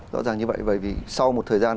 rõ ràng như vậy vì sau một thời gian